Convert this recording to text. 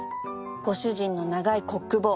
ご主人の長いコック帽